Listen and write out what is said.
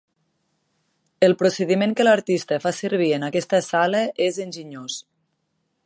El procediment que l'artista fa servir en aquesta sala és enginyós.